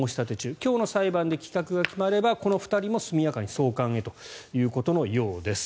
今日の裁判で棄却が決まればこの２人も速やかに送還へということのようです。